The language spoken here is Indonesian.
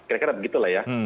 kira kira begitu lah ya